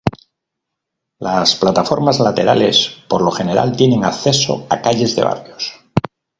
Las plataformas laterales por lo general tienen acceso a calles de barrios.